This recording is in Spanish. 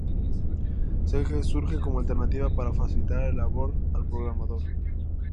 Cg surge como alternativa para facilitar la labor al programador.